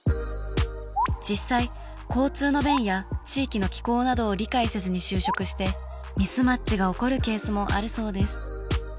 実際交通の便や地域の気候などを理解せずに就職してミスマッチが起こるケースもあるそうです。